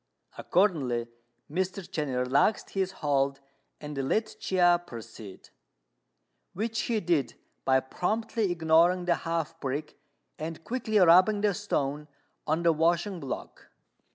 Accordingly, Mr. Chên relaxed his hold and let Chia proceed; which he did by promptly ignoring the half brick and quickly rubbing the stone on the washing block.